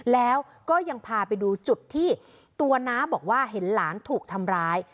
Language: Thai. แล้วก็ยังพาไปดูจุดที่ตัวน้าบอกว่าเห็นหลานถูกทำร้าย